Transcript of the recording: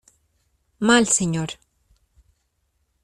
mal, señor.